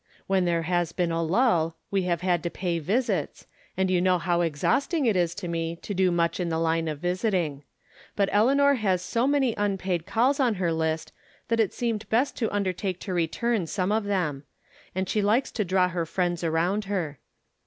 When there has been a lull, we have had to pay visits, and you know how exhausting it is to me to do much in the line of visiting. But Eleanor has so many unpaid calls on her list that it seemed best to undertake to return some of them; and she likes to draw her friends around her.